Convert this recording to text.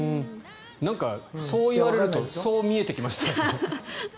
そう言われるとそう見えてきました。